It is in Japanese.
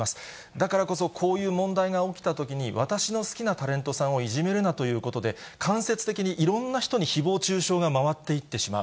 だからこそ、こういう問題が起きたときに、私の好きなタレントさんをいじめるなということで、間接的にいろんな人にひぼう中傷が回っていってしまう。